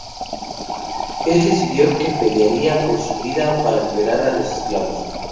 Él decidió que pelearía por su vida para liberar a los esclavos.